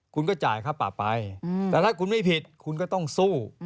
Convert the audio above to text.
คุณก็จ่ายค่าปรับไปแต่ถ้าคุณไม่ผิดคุณก็ต้องสู้